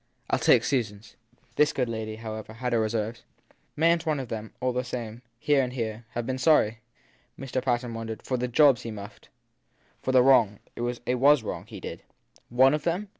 I ll take Susan s ! This good lady, however, had her reserves. Mayn t one of them, all the same here and there have been sorry ? Mr. Patten wondered. For the jobs he muffed ? For the wrong as it was wrong he did. "One" of them?